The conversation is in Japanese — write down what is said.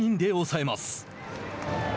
３人で抑えます。